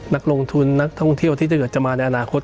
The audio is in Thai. นักลงทุนนักท่องเที่ยวที่ถ้าเกิดจะมาในอนาคต